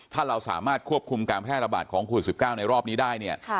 ถ้าเราสามารถควบคุมการแพทยาบาทของขู่สุด๑๙ในรอบนี้ได้